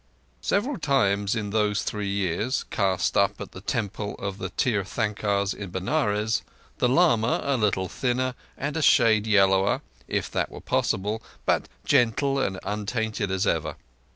Several times in those three years, cast up at the Temple of the Tirthankars in Benares the lama, a little thinner and a shade yellower, if that were possible, but gentle and untainted as ever.